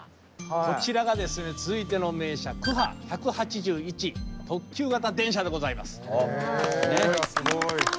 こちらがですね続いての名車クハ１８１特急形電車でございます。